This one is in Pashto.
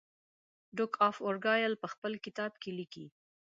ډوک آف ارګایل په خپل کتاب کې لیکي.